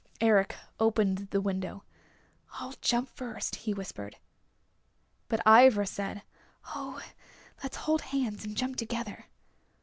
Eric opened the window. "I'll jump first," he whispered. But Ivra said, "Oh, let's hold hands and jump together."